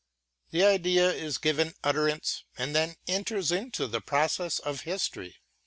The idea is given utteranceŌĆöand then enters into the process of history.